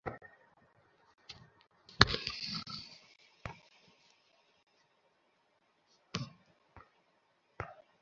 জাপানের কাওয়াইই ভাবমূর্তির তিনি হলেন দেশের মানুষের কাছে সবচেয়ে গ্রহণযোগ্য প্রতীক।